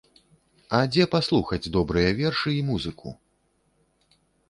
А дзе паслухаць добрыя вершы і музыку?